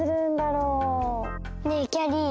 ねえきゃりー。